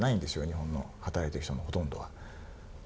日本の働いてる人のほとんどは。